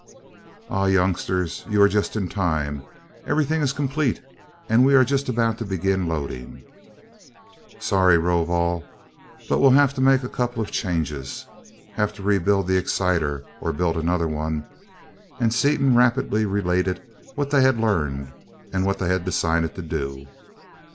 "Ah, youngsters, you are just in time. Everything is complete and we are just about to begin loading." "Sorry, Rovol, but we'll have to make a couple of changes have to rebuild the exciter or build another one," and Seaton rapidly related what they had learned, and what they had decided to do.